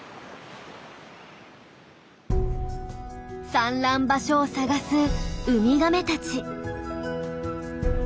産卵場所を探すウミガメたち。